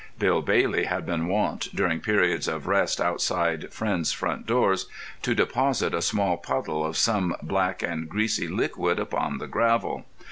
Bill Bailey had been wont, during periods of rest outside friends' front doors, to deposit a small puddle of some black and greasy liquid upon the gravel.